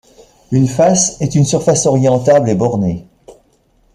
Une face est une surface orientable et bornée.